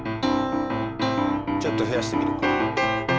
ちょっと増やしてみるか。